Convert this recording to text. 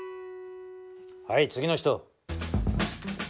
はい次の人。